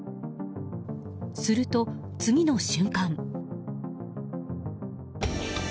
すると、次の瞬間。